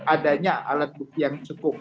adanya alat bukti yang cukup